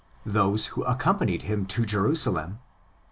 Those who accompanied him to Jerusalem (xxi.